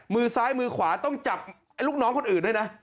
มือซ้ายมือขวาต้องจับลูกน้องคนอื่นด้วยนะ